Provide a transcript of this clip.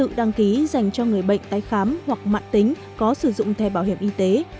tự đăng ký dành cho người bệnh tái khám hoặc mạng tính có sử dụng thẻ bảo hiểm y tế